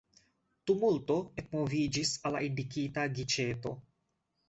Tumulto ekmoviĝis al la indikita giĉeto.